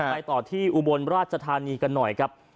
ต่อที่อุบลราชธานีกันหน่อยครับ